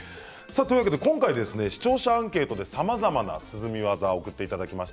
今回視聴者アンケートでさまざまな涼み技を送っていただきました。